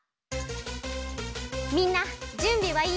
みんなじゅんびはいい？